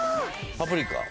パプリカ。